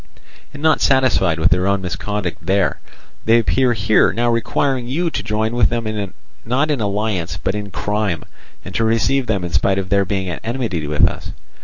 And not satisfied with their own misconduct there, they appear here now requiring you to join with them not in alliance but in crime, and to receive them in spite of their being at enmity with us.